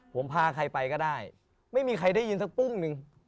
ผมพาใครไปก็ได้ไม่มีใครได้ยินสักปุ้งนึง